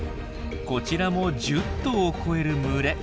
こちらも１０頭を超える群れ。